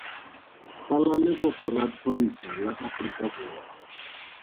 Kwala leboko la thoriso la Aforikaborwa.